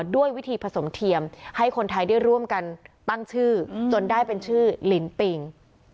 ด้วยวิธีผสมเทียมให้คนไทยได้ร่วมกันตั้งชื่อจนได้เป็นชื่อลินปิง